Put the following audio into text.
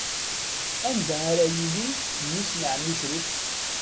Anda ara yili mmi-s n ɛemmi Crif?